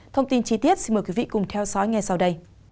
thông tin chi tiết xin mời quý vị cùng theo dõi ngay sau đây